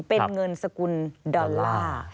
เป็นเงินสกุลดอลลาร์